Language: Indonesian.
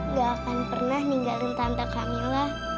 gak akan pernah ninggalin tante camilla